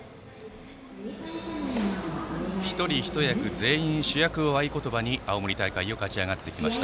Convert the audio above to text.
一人一役、全員主役を合言葉に青森大会を勝ち上がってきました。